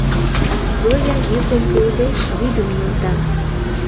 Зоя, йӱкым пуыде, вӱдым нӧлта.